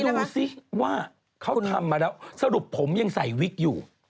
อืมมาดูสิว่าเขาทำมาแล้วสรุปผมยังใส่วิกอยู่ตอนนี้ได้ปะ